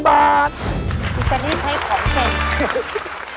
พี่แซนี่ใช้ของเต็ม